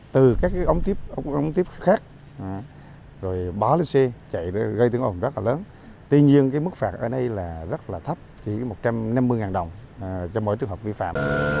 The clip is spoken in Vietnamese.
tuy nhiên mức phạt ở đây rất là thấp chỉ một trăm năm mươi đồng cho mỗi trường hợp vi phạm